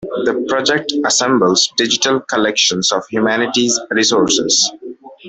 The project assembles digital collections of humanities resources.